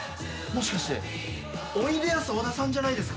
もしかしておいでやす小田さんじゃないです？